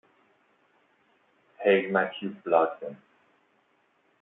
Hale, Mathew Blagden.